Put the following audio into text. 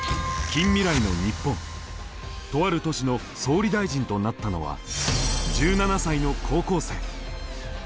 とある都市の総理大臣となったのは１７才の高校生。